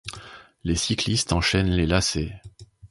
Les cyclistes enchaînent les lacets.